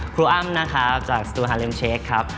อ้ำนะครับจากสตูฮาริมเชคครับ